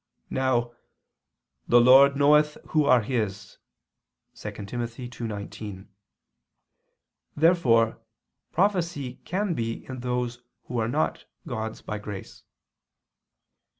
Now "the Lord knoweth who are His" (2 Tim. 2:19). Therefore prophecy can be in those who are not God's by grace.